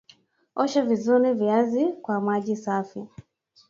Osha vizuri viazi kwa maji safi